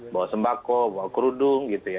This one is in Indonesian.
bawa sembako bawa kerudung gitu ya